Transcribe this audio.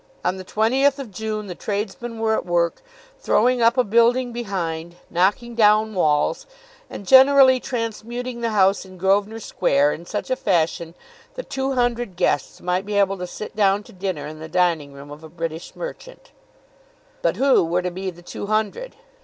On the 20th of June the tradesmen were at work, throwing up a building behind, knocking down walls, and generally transmuting the house in Grosvenor Square in such a fashion that two hundred guests might be able to sit down to dinner in the dining room of a British merchant. But who were to be the two hundred?